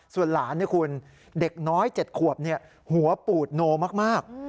ส่วนหลานคุณเด็กน้อย๗ขวบหัวปูดโนมาก